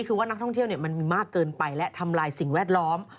คือว่านักท่องเที่ยวมันมีมากเกินไปและทำลายสิ่งแวดล้อม